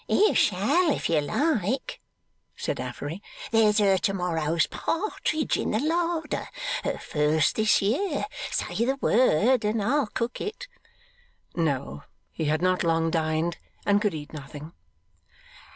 'You shall if you like,' said Affery. 'There's her tomorrow's partridge in the larder her first this year; say the word and I'll cook it.' No, he had not long dined, and could eat nothing.